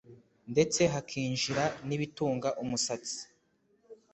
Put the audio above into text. ndetse hakinjira n'ibitunga umusatsi